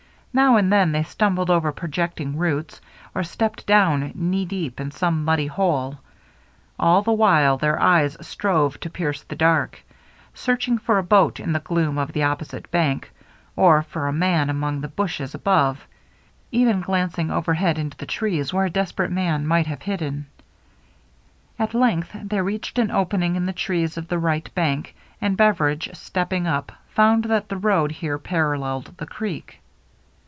Now and then they stumbled over projecting roots, or stepped down knee deep in some muddy hole ; all the while their eyes strove to pierce the dark, searching for a boat in the gloom of the op posite bank, or for a man among the bushes above, even glancing overhead into the trees, where a desperate man might have hidden. At length they reached an opening in the trees of the right bank, and Beveridge, step ping up, found that the road here paralleled the creek.